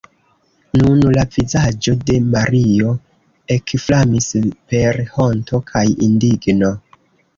Nun la vizaĝo de Mario ekflamis per honto kaj indigno.